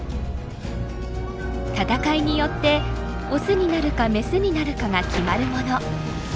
闘いによってオスになるかメスになるかが決まるもの。